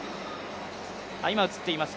今映っています